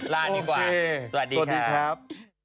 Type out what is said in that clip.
ลาดีกว่าสวัสดีครับ